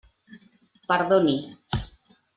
Perdoni.